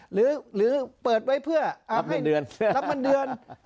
หรือเปิดไว้เพื่อรับบัญเดือน